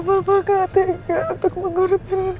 bapak katakan untuk mengorbankan